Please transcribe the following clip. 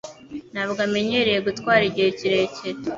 Ntabwo amenyereye gutwara igihe kirekire.